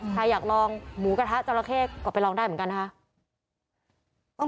ใครอยากลองหมูกระทะจราเข้ก็ไปลองได้เหมือนกันนะคะ